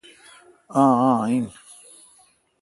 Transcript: آں آ ۔این